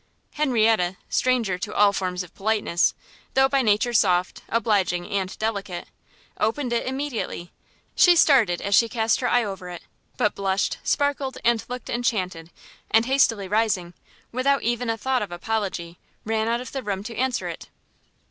Henrietta, stranger to all forms of politeness, though by nature soft, obliging and delicate, opened it immediately; she started as she cast her eye over it, but blushed, sparkled, and looked enchanted, and hastily rising, without even a thought of any apology, ran out of the room to answer it.